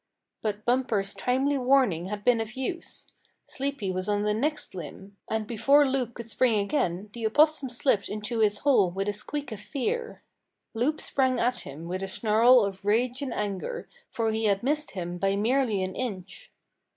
But Bumper's timely warning had been of use. Sleepy was on the next limb, and before Loup could spring again the Opossum slipped into his hole with a squeak of fear. Loup sprang at him with a snarl of rage and anger, for he had missed him by merely an inch.